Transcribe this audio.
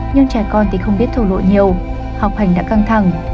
nhưng trẻ con thì không biết thổ lộ nhiều học hành đã căng thẳng